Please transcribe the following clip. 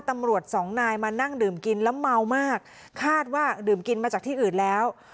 ตำรวจสองนายมานั่งดื่มกินแล้วเมามากคาดว่าดื่มกินมาจากที่อื่นแล้ว